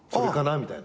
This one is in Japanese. みたいな。